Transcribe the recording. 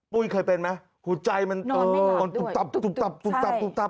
ปุ้ยเคยเป็นไหมหัวใจมันนอนไม่หลับด้วยตุ๊บตับตุ๊บตับตุ๊บตับ